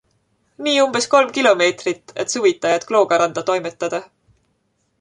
Nii umbes kolm kilomeetrit, et suvitajaid Kloogaranda toimetada.